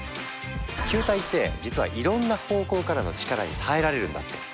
球体って実はいろんな方向からの力に耐えられるんだって。